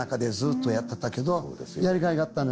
けどやりがいがあったんです。